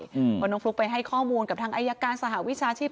เพราะน้องฟลุ๊กไปให้ข้อมูลกับทางอายการสหวิชาชีพ